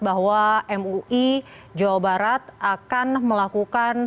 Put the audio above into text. bahwa mui jawa barat akan melakukan